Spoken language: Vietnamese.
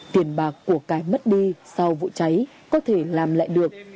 tiền bạc của cái mất đi sau vụ cháy có thể làm lại được